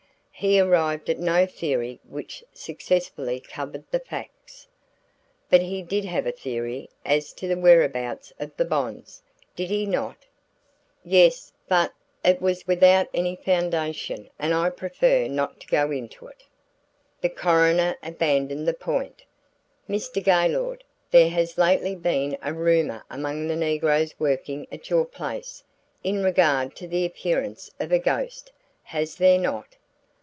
"He arrived at no theory which successfully covered the facts." "But he did have a theory as to the whereabouts of the bonds, did he not?" "Yes but it was without any foundation and I prefer not to go into it." The coroner abandoned the point. "Mr. Gaylord, there has lately been a rumor among the negroes working at your place, in regard to the appearance of a ghost, has there not?"